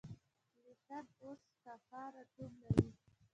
لکېن اوس کفار آټوم لري.